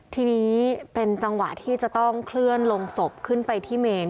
ทีนี้เป็นจังหวะที่จะต้องเคลื่อนลงศพขึ้นไปที่เมน